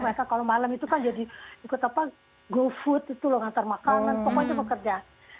mereka kalau malam itu kan jadi ikut apa go food itu loh ngantar makanan pokoknya mau kerja